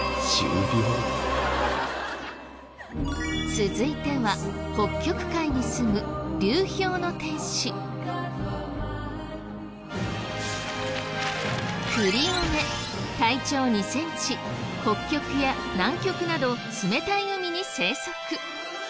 続いては北極海にすむ北極や南極など冷たい海に生息。